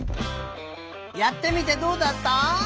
やってみてどうだった？